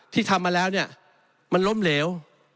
ที่ทำมาแล้วเนี่ยมันล้มเหลว